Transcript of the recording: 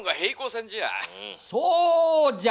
そうじゃ！